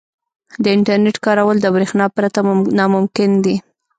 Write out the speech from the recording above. • د انټرنیټ کارول د برېښنا پرته ناممکن دي.